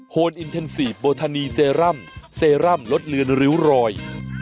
นอินเทนซีฟโบทานีเซรั่มเซรั่มลดเลือนริ้วรอย